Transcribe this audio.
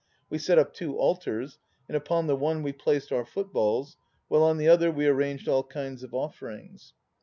We set up two altars, and upon the one we placed our footballs, while on the other we arranged all kinds of offerings.